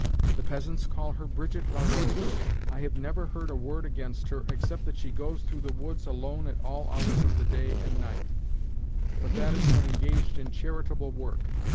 The peasants call her Brigitte la Rose; I have never heard a word against her except that she goes through the woods alone at all hours of the day and night; but that is when engaged in charitable work.